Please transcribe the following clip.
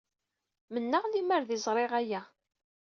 Mennaɣ lemmer d ay ẓriɣ aya.